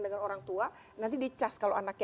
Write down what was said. dengan orang tua nanti dicas kalau anaknya